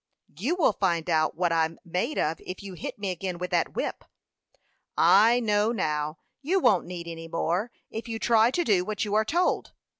"You will find out what I'm made of, if you hit me again with that whip." "I know now. You won't need any more, if you try to do what you are told."